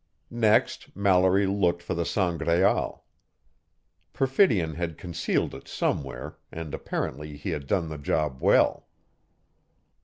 Next, Mallory looked for the Sangraal. Perfidion had concealed it somewhere, and apparently he had done the job well.